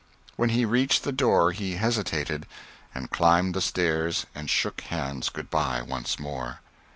When he reached the door he hesitated, and climbed the stairs and shook hands good by once more.